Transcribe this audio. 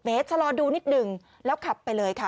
เราจะรอดูนิดนึงแล้วขับไปเลยค่ะ